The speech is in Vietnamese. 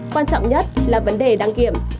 quan trọng nhất là vấn đề đăng kiểm